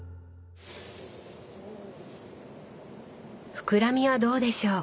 膨らみはどうでしょう？